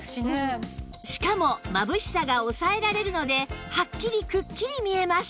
しかもまぶしさが抑えられるのではっきりくっきり見えます